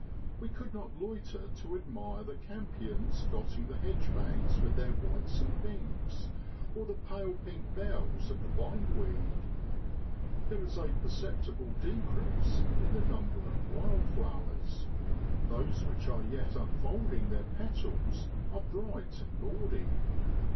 We could not loiter to admire the campions dotting the hedge banks with their whites and pinks, or the pale pink bells of the bindweed. There is a perceptible decrease in the number of wildflowers ; those which are yet unfold ing their petals are bright and gaudy.